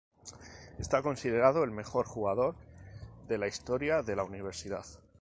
Está considerado el mejor jugador de la historia de la universidad.